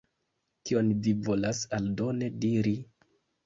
Kion vi volas aldone diri?